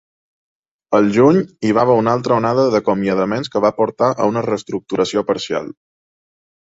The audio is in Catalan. Al juny, hi va haver una altra onada d'acomiadaments que va portar a una reestructuració parcial.